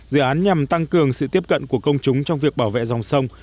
dự án nhằm tăng cường sự tiếp cận của công chúng trong việc bảo vệ dòng sông